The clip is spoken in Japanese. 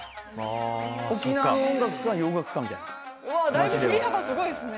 だいぶ振り幅すごいですね。